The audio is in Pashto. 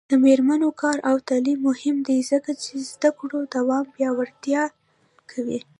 د میرمنو کار او تعلیم مهم دی ځکه چې زدکړو دوام پیاوړتیا کوي.